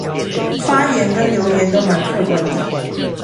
發言跟留言都蠻客觀地